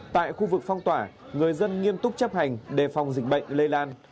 tại khu vực phong tỏa người dân nghiêm túc chấp hành đề phòng dịch bệnh lây lan